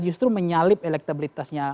justru menyalip elektabilitasnya